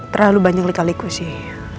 terlalu banyak lika liku sih